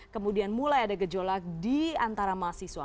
kemudian mulai ada gejolak di antara mahasiswa